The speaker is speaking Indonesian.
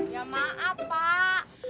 ya maaf pak